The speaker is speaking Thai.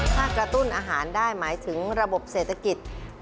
ถ้ากระตุ้นอาหารได้หมายถึงระบบเศรษฐกิจ